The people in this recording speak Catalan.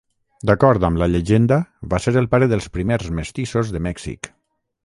D'acord amb la llegenda, va ser el pare dels primers mestissos de Mèxic.